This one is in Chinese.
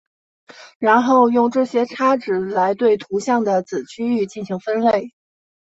然后用这些差值来对图像的子区域进行分类。